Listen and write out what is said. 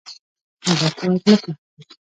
نباتات مه تخریب